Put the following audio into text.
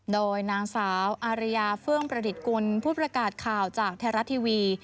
โดยนางสาวอารยาเฟื่องประดิษฐ์กุลผู้ประกาศข่าวจากไทยรัฐทีวี